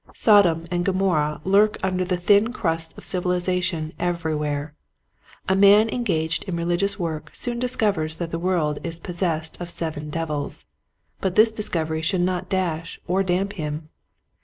Sodom and Gomorrah lurk under the thin crust of civilization every where. A man engaged in religious work soon discovers that the world is possessed of seven devils. But this discovery should not dash or damp him.